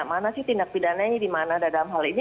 mana sih tindak pidana ini di mana ada dalam hal ini